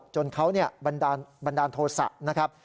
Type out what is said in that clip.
จนเขาบันดาลโทษะนะครับ